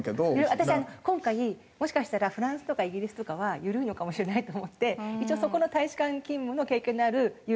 私今回もしかしたらフランスとかイギリスとかは緩いのかもしれないと思ってそこの大使館勤務の経験のある友人知人にも確認しました。